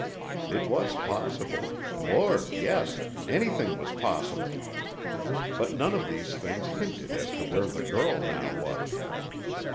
It was possible Lord, yes, anything was possible. But none of these things hinted as to where the girl now was.